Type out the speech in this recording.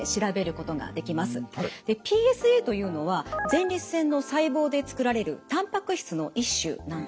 ＰＳＡというのは前立腺の細胞で作られるたんぱく質の一種なんですね。